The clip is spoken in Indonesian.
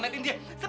enak banget ya kak